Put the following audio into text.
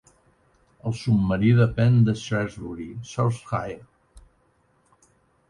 El submarí depèn de Shrewsbury, Shropshire.